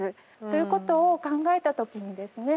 ということを考えた時にですね